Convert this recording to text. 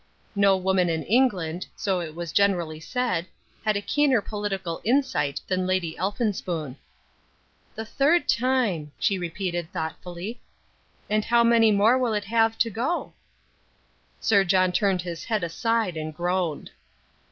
No woman in England, so it was generally said, had a keener political insight than Lady Elphinspoon. "The third time," she repeated thoughtfully, "and how many more will it have to go?" Sir John turned his head aside and groaned.